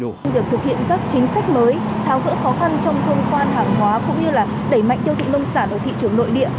trong việc thực hiện các chính sách mới tháo gỡ khó khăn trong thông quan hàng hóa cũng như là đẩy mạnh tiêu thụ nông sản ở thị trường nội địa